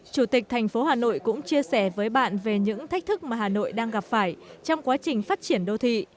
chủ tịch thành phố hà nội cũng chia sẻ với bạn về những thách thức mà hà nội đang gặp phải trong quá trình phát triển đô thị